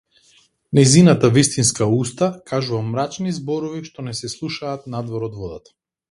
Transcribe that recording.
Нејзината вистинска уста кажува мрачни зборови што не се слушаат надвор од водата.